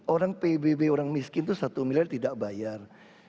orang pbb orang miskin itu satu miliar tidak bayar